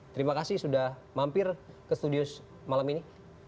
terima kasih sudah mampir ke studio malam ini